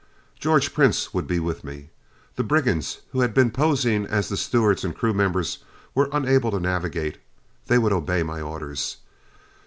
George Prince would be with me. The brigands who had been posing as the stewards and crew members were unable to navigate; they would obey my orders.